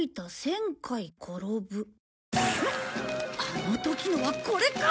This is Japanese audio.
あの時のはこれか！